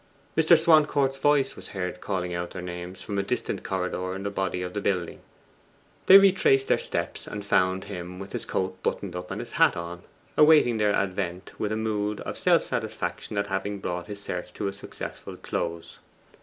Mr. Swancourt's voice was heard calling out their names from a distant corridor in the body of the building. They retraced their steps, and found him with his coat buttoned up and his hat on, awaiting their advent in a mood of self satisfaction at having brought his search to a successful close.